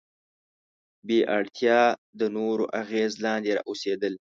بې اړتیا د نورو اغیز لاندې اوسېدل.